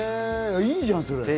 いいじゃん、それ。